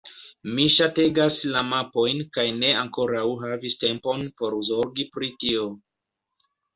Mi ŝategas la mapojn kaj ne ankoraŭ havis tempon por zorgi pri tio.